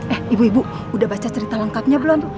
eh ibu ibu udah baca cerita lengkapnya belum tuh